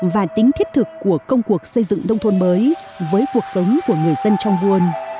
và tính thiết thực của công cuộc xây dựng nông thôn mới với cuộc sống của người dân trong buôn